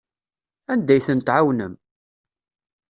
Anda ay tent-tɛawnem?